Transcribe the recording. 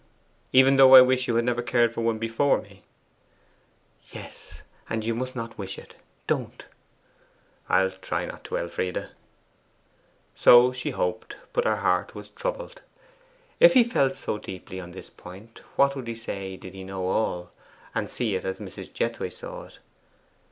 'Even though I wish you had never cared for one before me?' 'Yes. And you must not wish it. Don't!' 'I'll try not to, Elfride.' So she hoped, but her heart was troubled. If he felt so deeply on this point, what would he say did he know all, and see it as Mrs. Jethway saw it?